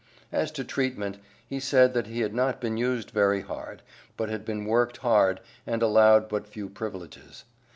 As to treatment, he said that he had not been used very hard, but had been worked hard and allowed but few privileges.